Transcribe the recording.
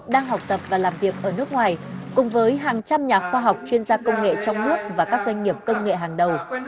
đang học tập và làm việc ở nước ngoài cùng với hàng trăm nhà khoa học chuyên gia công nghệ trong nước và các doanh nghiệp công nghệ hàng đầu